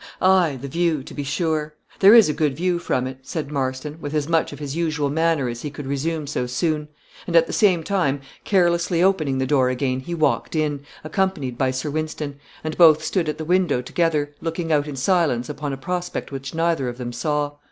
"Aye, the view, to be sure; there is a good view from it," said Marston, with as much of his usual manner as he could resume so soon; and, at the same time, carelessly opening the door again, he walked in, accompanied by Sir Wynston, and both stood at the window together, looking out in silence upon a prospect which neither of them saw.